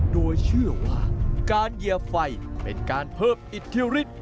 โดยเชื่อว่าการเหยียบไฟเป็นการเพิ่มอิทธิฤทธิ์